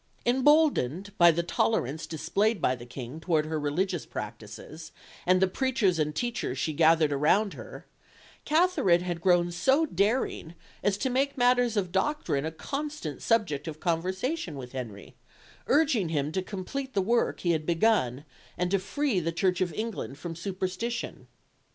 Emboldened by the tolerance displayed by the King towards her religious practices and the preachers and teachers she gathered around her, Katherine had grown so daring as to make matters of doctrine a constant subject of conversation with Henry, urging him to complete the work he had begun, and to free the Church of England from superstition.